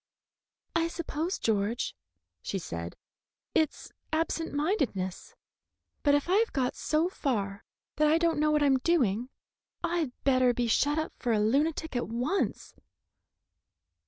"I suppose, George," she said, "it's absent mindedness; but if I have got so far that I don't know what I'm doing, I'd better be shut up for a lunatic at once."